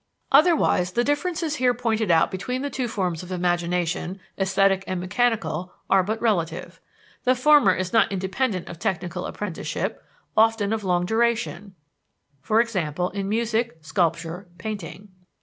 Otherwise, the differences here pointed out between the two forms of imagination esthetic and mechanical are but relative. The former is not independent of technical apprenticeship, often of long duration (e.g., in music, sculpture, painting).